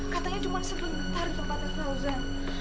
katanya cuma sebentar di tempatnya fauzan